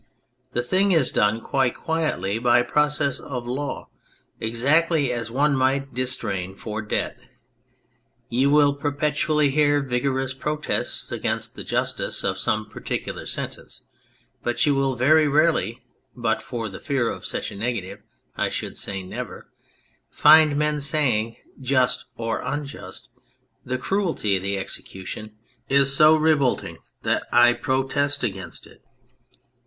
The thing is done quite quietly by process of law, exactly as one might distrain for debt. You will perpetually hear vigor ous protests against the justice of some particular sentence, but you will very rarely (but for the fear of such a negative, I should say never) find men saying "just or unjust, the cruelty of the execution is so revolting that I protest against it."